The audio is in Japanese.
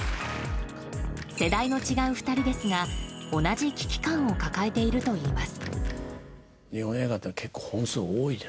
世代の違う２人ですが同じ危機感を抱えているといいます。